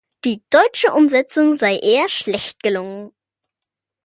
Die deutsche Umsetzung sei eher schlecht gelungen.